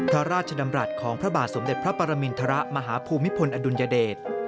พระราชดำรัฐของพระบาทสมเด็จพระปรมินทรมาฮภูมิพลอดุลยเดช